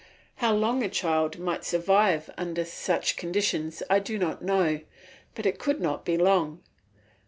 How long a child might survive under such conditions I do not know, but it could not be long.